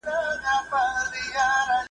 آیا تاسي دا کیسه تر پایه په غور سره ولوستله؟